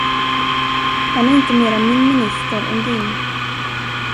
Han är inte mera min minister än din.